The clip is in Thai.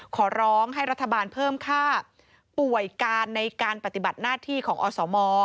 ขอร้องให้รัฐบาลเพิ่มค่าป่วยการในการปฏิบัติหน้าที่ของอสม